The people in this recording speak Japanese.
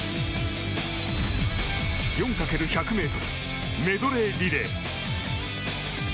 ４×１００ｍメドレーリレー。